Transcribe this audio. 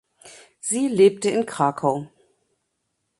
Sie lebte in Krakow.